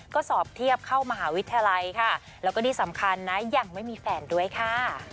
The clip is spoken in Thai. ก็สอบเทียบเข้ามหาวิทยาลัยค่ะแล้วก็ที่สำคัญนะยังไม่มีแฟนด้วยค่ะ